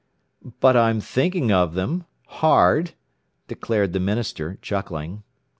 "But I am thinking of them hard," declared the minister, chuckling.